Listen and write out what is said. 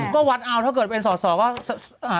ก็วัดเอาถ้าเกิดเป็นสอสอก็